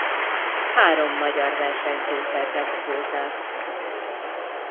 Három magyar versenyző szerzett kvótát.